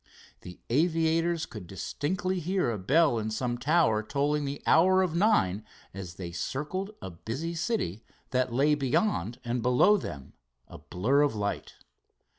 The aviators could distinctly hear a bell in some tower tolling the hour of nine as they circled a busy city that lay beyond and below, them, a blur of light.